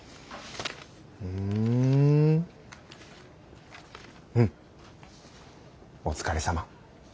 ふんうんお疲れさま。